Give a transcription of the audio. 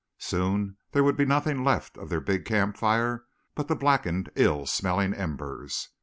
Soon there would be nothing left of their big campfire but the blackened, ill smelling embers.